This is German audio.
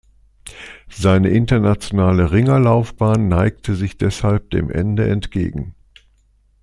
Seine internationale Ringerlaufbahn neigte sich deshalb dem Ende entgegen.